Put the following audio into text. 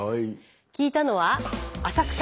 聞いたのは浅草。